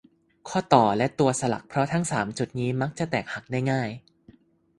ข้อต่อ และตัวสลัก เพราะทั้ง สาม จุดนี้มักจะแตกหักได้ง่าย